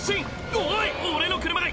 「おい俺の車が！